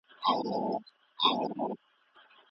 په قلم لیکنه کول د دننه ږغونو اوریدل دي.